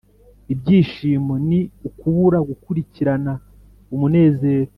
ibyishimo ni ukubura gukurikirana umunezero.